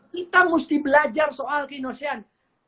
kita mesti belajar soal keindonesiaan